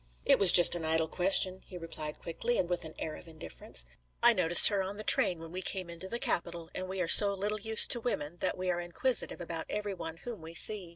"It was just an idle question," he replied quickly, and with an air of indifference. "I noticed her on the train when we came into the capital, and we are so little used to women that we are inquisitive about every one whom we see.